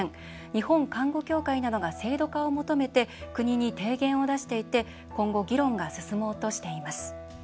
日本看護協会などが制度化を求めて国に提言を出していて今後議論が進もうとしています。